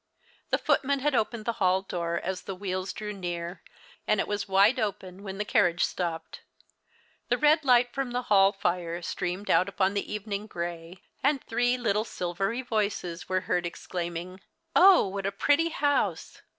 The footman had opened the hall door as the wheels drew near, and it was wide open when the carriage stopped. The red light from the hall fire streamed out upon the evening grey, and three little silvery voices were heard exclaiming —" Oh, what a pretty house